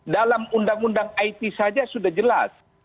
dalam undang undang it saja sudah jelas